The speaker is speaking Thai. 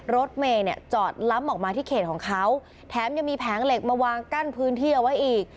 รถเมย์เนี่ยจอดล้ำออกมาที่เขตของเขาแถมยังมีแผงเหล็กมาวางกั้นพื้นที่เอาไว้อีก